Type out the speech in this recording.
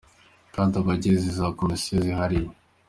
kandi abagize za komisiyo zihariye .